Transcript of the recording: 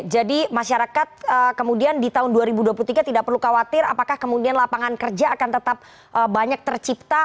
jadi masyarakat kemudian di tahun dua ribu dua puluh tiga tidak perlu khawatir apakah kemudian lapangan kerja akan tetap banyak tercipta